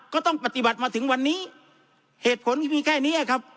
ก็ต้องปฏิบัติมาถึงวันนี้เหตุผลมีแค่นี้ครับ